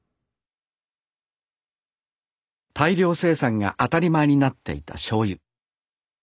大量生産が当たり前になっていたしょうゆ。